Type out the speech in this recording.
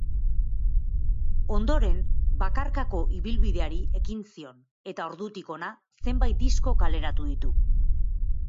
Ondoren, bakarko ibilbideari ekin zion eta ordutik hona zenbait disko kaleratu ditu.